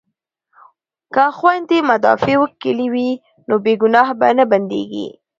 که خویندې مدافع وکیلې وي نو بې ګناه به نه بندیږي.